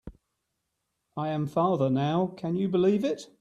I am father now, can you believe it?